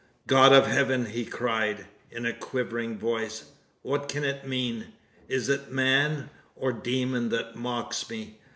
"God of heaven!" he cried, in a quivering voice, "what can it mean? Is it man, or demon, that mocks me?